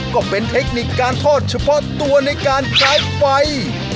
ก็เป็นเทคนิคการทอดเฉพาะตัวในการใช้ไฟ